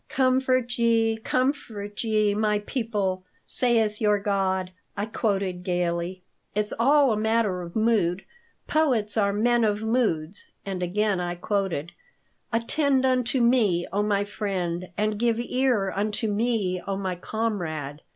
"'Comfort ye, comfort ye, my people, saith your God,'" I quoted, gaily. "It's all a matter of mood. Poets are men of moods." And again I quoted, "'Attend unto me, O my friend, and give ear unto me, O my comrade.'"